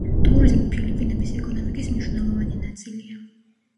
ტურიზმი ფილიპინების ეკონომიკის მნიშვნელოვანი ნაწილია.